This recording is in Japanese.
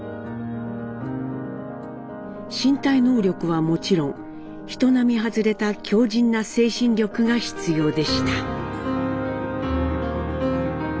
身体能力はもちろん人並み外れた強靱な精神力が必要でした。